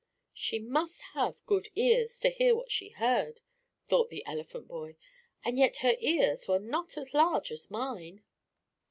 "She must have good ears, to hear what she heard," thought the elephant boy. "And yet her ears were not as large as mine."